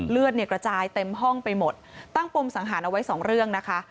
เลือดเนี่ยกระจายเต็มห้องไปหมดตั้งปมสังหารเอาไว้สองเรื่องนะคะ